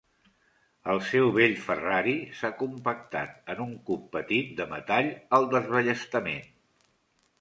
El seu vell Ferrari s'ha compactat en un cub petit de metall al desballestament.